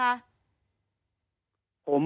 ท่านายจะเลยหากล้องวงจรปิดได้ไหมคะ